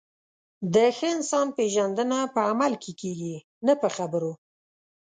د ښه انسان پیژندنه په عمل کې کېږي، نه په خبرو.